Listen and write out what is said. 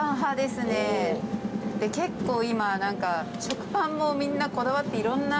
結構今何か食パンもみんなこだわっていろんな。